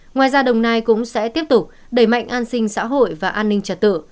ngoài ra đồng nai cũng sẽ tiếp tục đẩy mạnh an sinh xã hội và an ninh trật tự